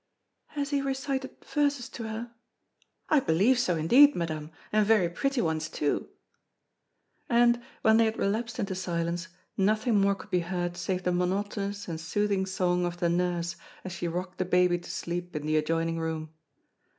"Has he recited verses to her?" "I believe so indeed, Madame, and very pretty ones, too!" And, when they had relapsed into silence, nothing more could be heard save the monotonous and soothing song of the nurse as she rocked the baby to sleep in the adjoining room.